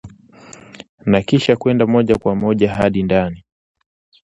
na kisha kwenda moja kwa moja hadi ndani